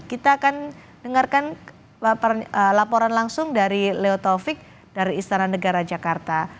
kita akan dengarkan laporan langsung dari leotovik dari istana negara jakarta